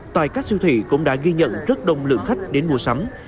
tại các siêu thị cũng đã ghi nhận rất đông lượng khách đến mua sắm